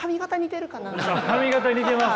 髪形似てます？